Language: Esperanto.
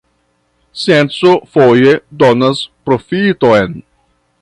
Scienco foje donas proﬁton.